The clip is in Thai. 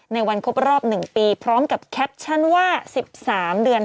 ในวันครบรอบ๑ปีพร้อมกับแคปชั่นว่า๑๓เดือน